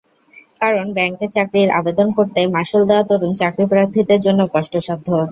কারণ, ব্যাংকে চাকরির আবেদন করতে মাশুল দেওয়া তরুণ চাকরিপ্রার্থীদের জন্য কষ্টসাধ্য।